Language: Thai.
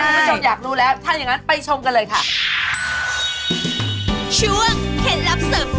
อ้าวท่านผู้ชมอยากรู้แล้วท่านอย่างนั้นไปชมกันเลยค่ะ